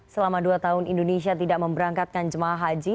selama dua tahun indonesia tidak memberangkatkan jemaah haji